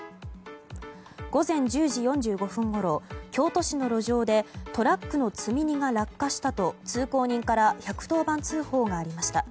午前１０時４５分ごろ京都市の路上でトラックの積み荷が落下したと通行人から１１０番通報がありました。